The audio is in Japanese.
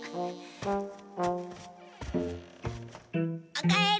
おかえり！